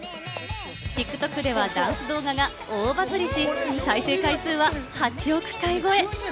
ＴｉｋＴｏｋではダンス動画が大バズりし、再生回数は８億回超え！